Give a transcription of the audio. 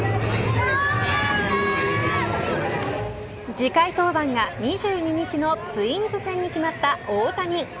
次回登板が、２２日のツインズ戦に決まった大谷。